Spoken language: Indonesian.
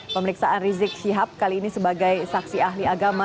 pemeriksaan rizik syihab kali ini sebagai saksi ahli agama